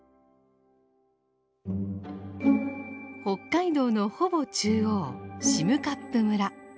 北海道のほぼ中央占冠村。